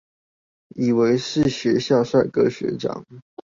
以為是學校帥哥學長